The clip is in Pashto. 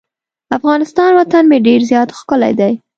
افغانستان وطن مې ډیر زیات ښکلی دی.